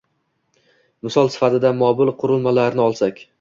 Misol sifatida mobil qurilmalarni olsak